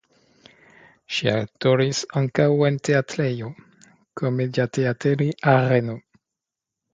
Ŝi aktoris ankaŭ en teatrejo "Komediateatteri Areno".